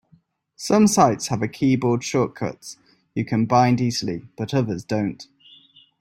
Some sites have keyboard shortcuts you can bind easily, but others don't.